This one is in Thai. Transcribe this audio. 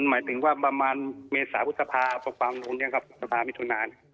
หมายถึงว่าประมาณเมษาพุทธภาพบางทุนเนี่ยครับพุทธภาพมิถุนา